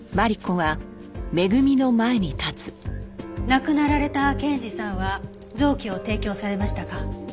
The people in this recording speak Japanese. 亡くなられた健治さんは臓器を提供されましたか？